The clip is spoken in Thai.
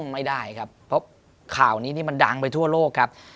ไม่ได้ครับเพราะข่าวนี้นี่มันดังไปทั่วโลกครับ